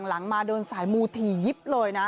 หลังมาเดินสายมูเวอะนะ